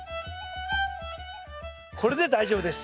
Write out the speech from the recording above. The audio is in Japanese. これで大丈夫です。